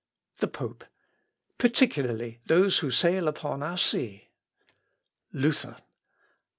The Pope. "Particularly those who sail upon our sea." _Luther.